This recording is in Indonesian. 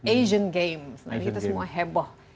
asian games nah itu semua heboh